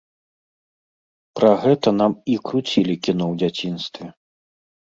Пра гэта нам і круцілі кіно ў дзяцінстве.